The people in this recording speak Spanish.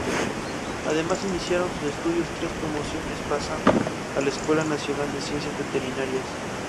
Además iniciaron sus estudios tres promociones, pasando a la Escuela Nacional de Ciencias Veterinarias.